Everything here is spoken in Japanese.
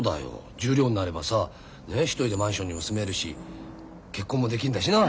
十両になればさ一人でマンションにも住めるし結婚もできんだしなあ。